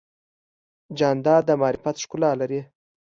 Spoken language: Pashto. جانداد د معرفت ښکلا لري.